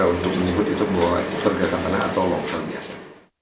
untuk menyebut itu bahwa pergerakan tanah atau lockdown biasa